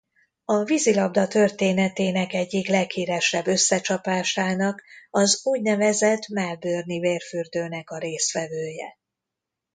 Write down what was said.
A vízilabda történetének egyik leghíresebb összecsapásának az úgynevezett melbourne-i vérfürdőnek a résztvevője.